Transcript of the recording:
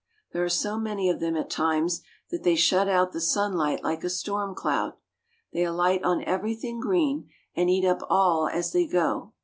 There are so many of them at times that they shut out the sunlight like a storm cloud. They alight on everything green and eat up all as they go.